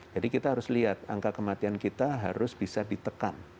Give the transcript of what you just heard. jadi kita harus lihat angka kematian kita harus bisa ditekan